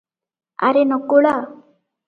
ଆରେ ନକୁଳା!